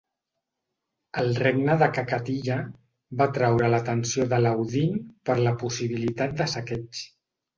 El regne de Kakatiya va atraure l'atenció d'Alauddin per la possibilitat de saqueig.